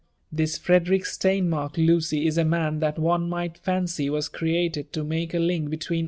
This F/»^ derick ^teifumirk, Lucy, is a man that one might fancy was created to make a link hetw^ei»